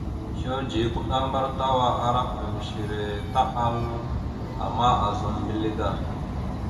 Sludze ya kuɗambar tawa ara kəɗaməsara taɓal, ama aazam mbile da.